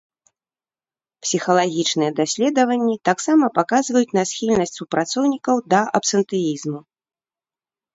Псіхалагічныя даследаванні таксама паказваюць на схільнасць супрацоўнікаў да абсентэізму.